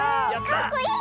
かっこいい！